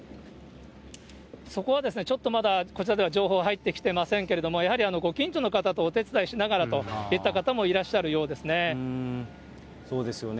そこはちょっとまだ、こちらでは情報は入ってきていませんけれども、やはりご近所の方とお手伝いしながらといった方もいらっしゃるよそうですよね。